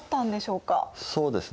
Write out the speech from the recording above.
そうですね。